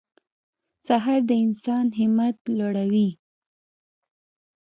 سهار د انسان همت لوړوي.